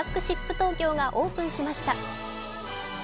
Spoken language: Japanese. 東京がオープンしました。